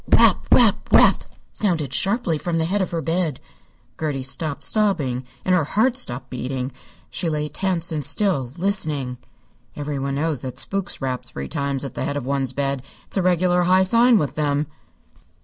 "Rap rap rap!" sounded sharply from the head of her bed. Gertie stopped sobbing, and her heart stopped beating. She lay tense and still, listening. Everyone knows that spooks rap three times at the head of one's bed. It's a regular high sign with them.